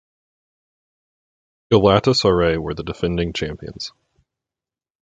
Galatasaray were the defending champions.